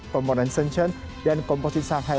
komponen sension dan komposisi shanghai